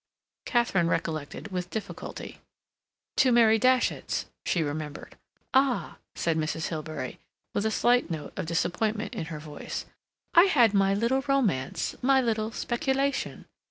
Katharine recollected with difficulty. "To Mary Datchet's," she remembered. "Ah!" said Mrs. Hilbery, with a slight note of disappointment in her voice. "I had my little romance—my little speculation."